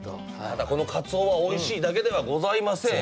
またこのかつおはおいしいだけではございません。